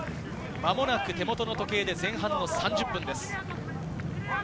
間もなく手元の時計で前半の３０分です。